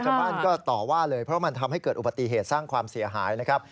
ชาวบ้านก็ต่อว่าเลยเพราะมันทำให้เกิดอุบัติเหตุสร้างความเสียหายนะครับ